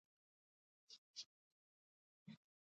تله لړم لیندۍ مرغومی سلواغه کب